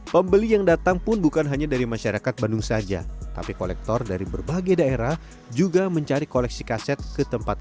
pembeli yang datang pun bukan hanya dari masyarakat bandung saja tapi kolektor dari berbagai daerah juga mencari koleksi kaset ke tempat